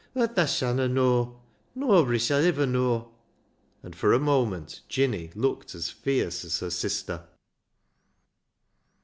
But thaa shanna know ! Noabry shall iver know." And for a moment Jinny looked as fierce as her sister.